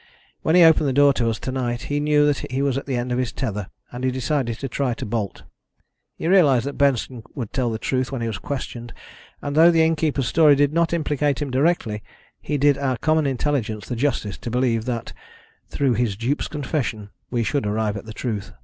When he opened the door to us to night, he knew that he was at the end of his tether, and he decided to try to bolt. He realised that Benson would tell the truth when he was questioned and, although the innkeeper's story did not implicate him directly, he did our common intelligence the justice to believe that, through his dupe's confession, we should arrive at the truth."